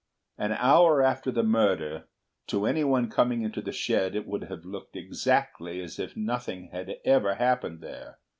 An hour after the murder, to anyone coming into the shed it would have looked exactly as if nothing had ever happened there.